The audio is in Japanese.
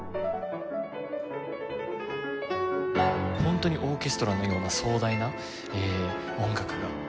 本当にオーケストラのような壮大な音楽が。